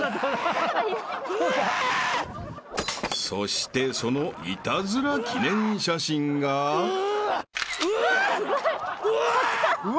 ［そしてそのイタズラ記念写真が］うわ！